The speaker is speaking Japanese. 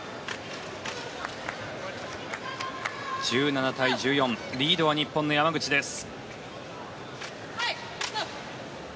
１７対１４、リードは日本の山口です。